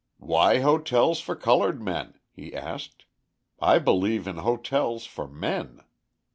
"Why hotels for coloured men?" he asked. "I believe in hotels for men.